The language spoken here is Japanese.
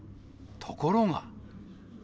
ところが。